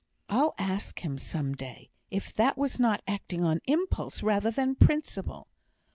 I'll ask him, some day, if that was not acting on impulse rather than principle.